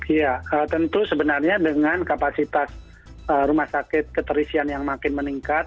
iya tentu sebenarnya dengan kapasitas rumah sakit keterisian yang makin meningkat